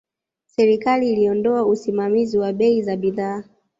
Serikali iliondoa usimamizi wa bei za bidhaa